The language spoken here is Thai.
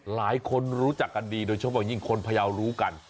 หลายคนรู้จักกันดีโดยเฉพาะยิ่งคนพยาวรู้กัน